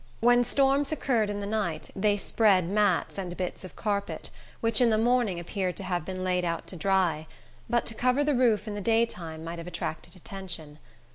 When storms occurred in the night, they spread mats and bits of carpet, which in the morning appeared to have been laid out to dry; but to cover the roof in the daytime might have attracted attention.